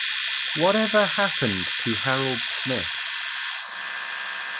Whatever Happened to Harold Smith?